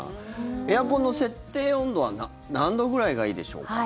エアコンの設定温度は何度ぐらいがいいでしょうか。